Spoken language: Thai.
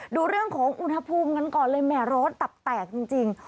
ดูเรื่องของอุณหภูมิกันก่อนเลยแหม่ร้อนตับแตกจริง